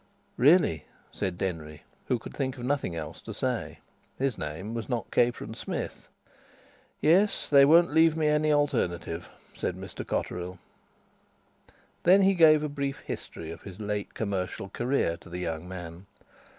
"Really!" said Denry, who could think of nothing else to say. His name was not Capron Smith. "Yes; they won't leave me any alternative," said Mr Cotterill. Then he gave a brief history of his late commercial career to the young man.